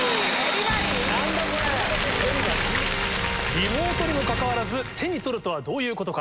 リモートにもかかわらず「手に取る」とはどういうことか。